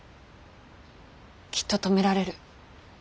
きっと止められる。